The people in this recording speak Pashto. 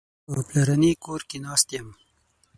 په پلرني کور کې ناست یم.